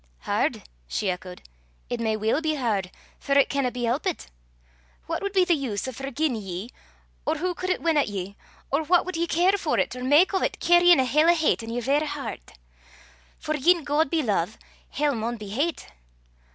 "Hard!" she echoed; "it may weel be hard, for it canna be helpit. What wad be the use o' forgiein' ye, or hoo cud it win at ye, or what wad ye care for 't, or mak o' 't, cairryin' a hell o' hate i' yer verra hert? For gien God be love, hell maun be hate.